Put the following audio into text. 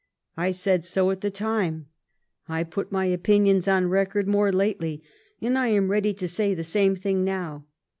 I said so at the time; I put my opinions on record more lately; and I am ready to say the same thing now.